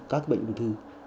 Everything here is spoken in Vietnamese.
các bệnh ung thư